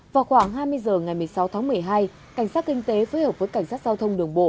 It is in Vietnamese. vào khoảng hai mươi h ngày một mươi sáu tháng một mươi hai cảnh sát kinh tế phối hợp với cảnh sát giao thông đường bộ